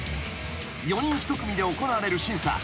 ［４人１組で行われる審査。